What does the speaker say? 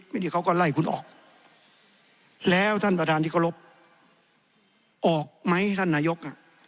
ไม่ได้เขาก็ไล่คุณออกแล้วท่านประธานดิกรบออกไหมท่านนายก